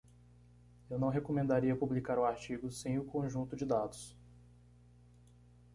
Eu não recomendaria publicar o artigo sem o conjunto de dados.